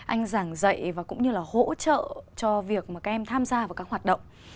anh giảng dạy và cũng như là hỗ trợ cho việc mà các em tham gia vào các hoạt động